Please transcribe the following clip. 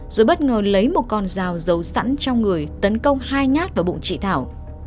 rồi bất ngờ lấy một con dao giấu sẵn trong người tấn công hai nhát vào bụng chị thảo